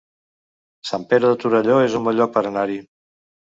Sant Pere de Torelló es un bon lloc per anar-hi